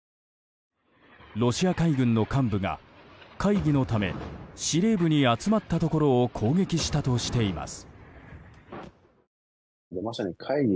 ロシア海軍の幹部が会議のため司令部に集まったところを攻撃したとしています。